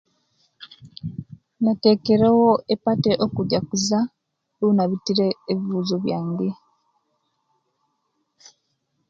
Natekerewo epate okujaguza owenabitire ebiwuuzo byange.